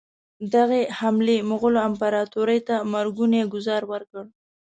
دغې حملې مغولو امپراطوري ته مرګونی ګوزار ورکړ.